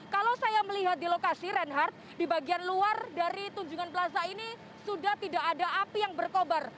kalau saya melihat di lokasi reinhardt di bagian luar dari tunjungan plaza ini sudah tidak ada api yang berkobar